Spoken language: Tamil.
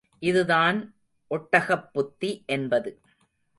இதுதான் ஒட்டகப் புத்தி என்பது.